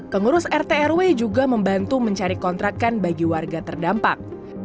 pengurus rt rw juga membantu mencari kontrakan bagi warga terdampak